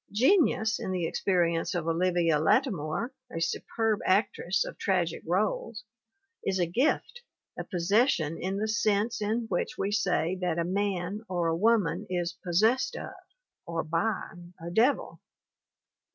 Genius, in the experience of Olivia Lattimore, a superb actress of tragic roles, is a gift, a possession in the sense in which we say that a man or a woman "is possessed of" or by a devil.